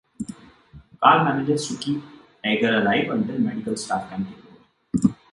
Cal manages to keep Jaeger alive until medical staff can take over.